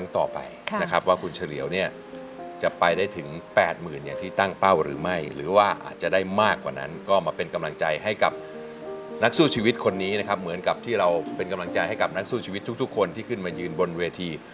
ที่เราเป็นกำลังใจให้กับนักสู้ชีวิตทุกคนที่ขึ้นมายืนบนเวที